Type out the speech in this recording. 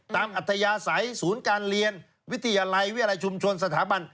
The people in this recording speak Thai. อัธยาศัยศูนย์การเรียนวิทยาลัยวิทยาลัยชุมชนสถาบัน